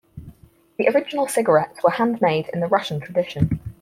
The original cigarettes were handmade in the Russian tradition.